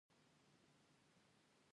د سالنګ عقابونه څومره لوی دي؟